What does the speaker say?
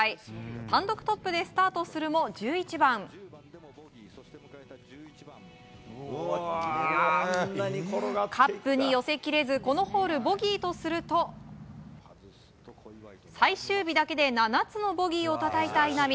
単独トップでスタートするも１１番、カップに寄せきれずこのホール、ボギーとすると最終日だけで７つのボギーをたたいた稲見。